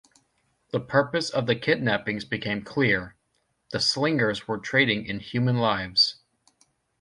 The purpose of the kidnappings became clear: the Slingers were trading in human lives.